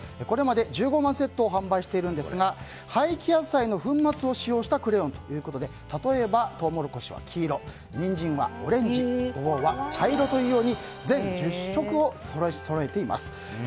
これまで１５万セットを販売しているんですが廃棄野菜の粉末を使用したクレヨンということで例えば、トウモロコシは黄色ニンジンはオレンジゴボウは茶色というように全１０色をそろえています。